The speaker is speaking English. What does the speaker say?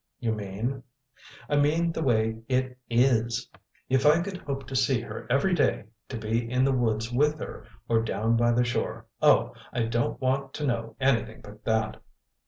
"You mean " "I mean the way it IS. If I could hope to see her every day, to be in the woods with her, or down by the shore oh, I don't want to know anything but that!"